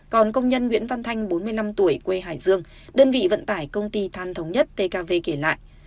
còn công nhân nguyễn văn thanh bốn mươi năm tuổi quê hải dương đơn vị vận tải công ty than thống nhất tkv kể lại